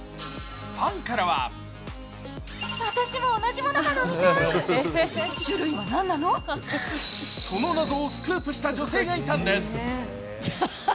ファンからはその謎をスクープした女性がいたんです。